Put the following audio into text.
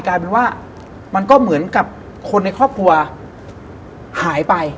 กลายเป็นว่ามันก็เหมือนกับคนในครอบครัวหายไป